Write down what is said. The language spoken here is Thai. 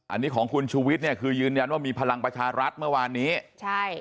อันนี้ของคุณชูวิทย์เนี่ยคือยืนยันว่ามีพลังประชารัฐเมื่อวานนี้ใช่